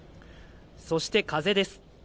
そして風です。